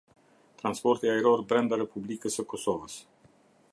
Transporti ajror brenda Republikës së Kosovës.